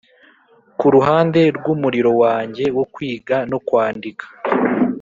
kuruhande rwumuriro wanjye wo kwiga no kwandika